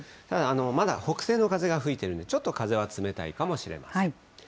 ただ、まだ北西の風が吹いてるんで、ちょっと風は冷たいかもしれません。